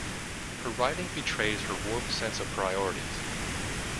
Her writing betrays her warped sense of priorities.